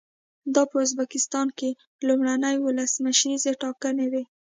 دا په ازبکستان کې لومړنۍ ولسمشریزې ټاکنې وې.